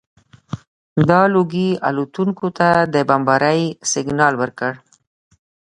دا لوګي الوتکو ته د بمبارۍ سګنال ورکړ